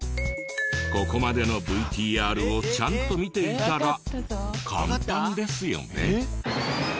ここまでのＶＴＲをちゃんと見ていたら簡単ですよね。